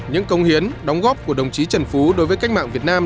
những công hiến đóng góp của đồng chí trần phú đối với cách mạng việt nam